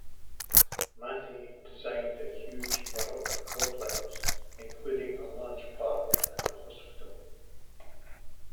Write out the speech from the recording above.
Mathey designed a huge Baroque complex, including a large park and a hospital.